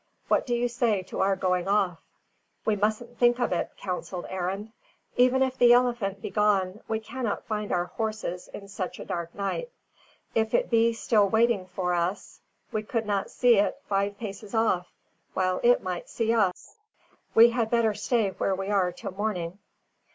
What do you say to our going off?" "We mustn't think of it," counselled Arend. "Even if the elephant be gone, we cannot find our horses in such a dark night. If it be still waiting for us, we could not see it five paces off, while it might see us. We had better stay when we are till morning."